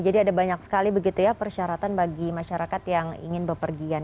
jadi ada banyak sekali begitu ya persyaratan bagi masyarakat yang ingin berpergian